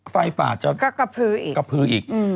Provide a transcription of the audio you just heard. ไฟป่าจะกระพื้ออีก